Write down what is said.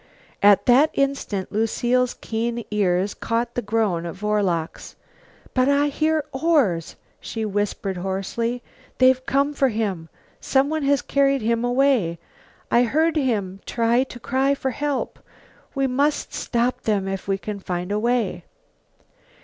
At that instant Lucile's keen ears caught the groan of oarlocks. "But I hear oars," she whispered hoarsely. "They've come for him. Someone has carried him away. I heard him try to cry for help. We must stop them if we can find a way."